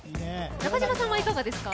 中島さんはいかがですか？